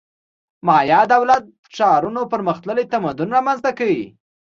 مایا دولت ښارونو پرمختللی تمدن رامنځته کړ